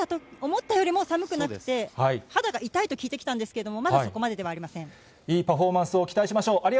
思ったよりも寒くなくて、肌が痛いと聞いてきたんですけども、まだそこまでいいパフォーマンスを期待しましょう。